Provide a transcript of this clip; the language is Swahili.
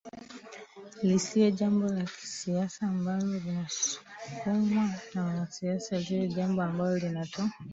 lisiwe jambo la kisiasa ambalo linasukumwa na wanasiasa liwe jambo ambalo linatu